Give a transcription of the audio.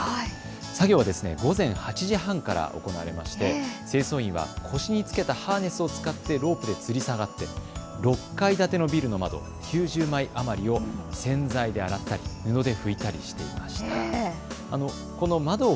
作業は午前８時半から行われまして清掃員が腰につけたハーネスを使ってロープにつり下がって６階建てのビルの窓９０枚余りを洗剤で洗ったり布で拭いたりしていました。